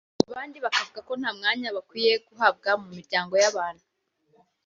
abandi bakavuga ko nta mwanya bakwiye guhabwa mu miryango y’abantu